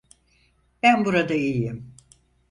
Ben burada iyiyim.